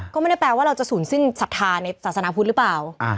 ก็ไม่ได้แปลว่าเราจะศูนย์สิ้นศรัทธาในศาสนาพุทธหรือเปล่า